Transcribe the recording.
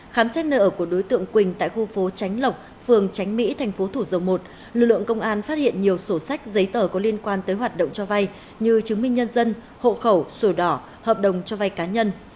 khám xét nơi ở của đối tượng quỳnh tại khu phố tránh lộc phường tránh mỹ thành phố thủ dầu một lực lượng công an phát hiện nhiều sổ sách giấy tờ có liên quan tới hoạt động cho vay như chứng minh nhân dân hộ khẩu sổ đỏ hợp đồng cho vay cá nhân